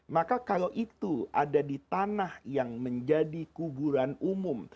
maka kalau itu ada di tanah yang menjadi kuburan umum